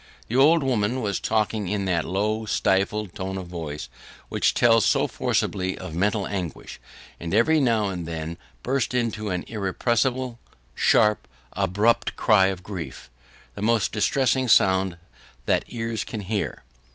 The old woman was talking in that low, stifled tone of voice which tells so forcibly of mental anguish; and every now and then burst into an irrepressible sharp, abrupt cry of grief, the most distressing sound that ears can hear.